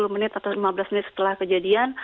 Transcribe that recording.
sepuluh menit atau lima belas menit setelah kejadian